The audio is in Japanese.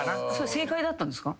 正解だったんですか？